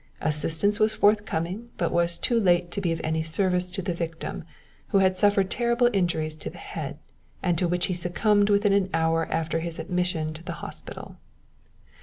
Assistance was forthcoming, but was too late to be of any service to the victim, who had suffered terrible injuries to the head, and to which he succumbed within an hour after his admission to the hospital.